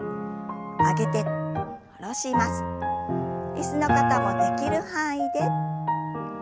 椅子の方もできる範囲で。